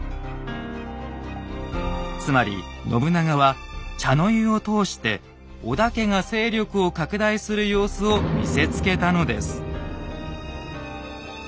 つまり信長は茶の湯を通して織田家が勢力を拡大する様子を見せつけたのです。